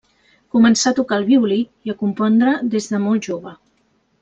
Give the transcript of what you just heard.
Començà a tocar el violí i a compondre des de molt jove.